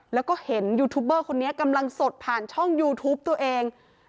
แล้วก็เห็นยูทูบเบอร์คนนี้กำลังสดผ่านช่องยูทูปตัวเอง